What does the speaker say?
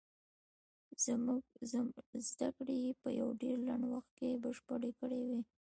زدکړې يې په يو ډېر لنډ وخت کې بشپړې کړې وې.